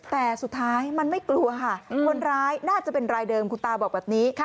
แต่สุดท้ายมันไม่กลัวค่ะคนร้ายน่าจะเป็นรายเดิมคุณตาบอกแบบนี้